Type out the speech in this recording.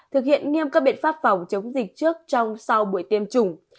thực hiện nghiêm các biện pháp phòng chống dịch trước trong sau buổi tiêm chủng